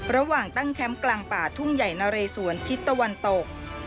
ระหว่างตั้งแคมป์กลางป่าทุ่งใหญ่นะเรสวนทิศตะวันตก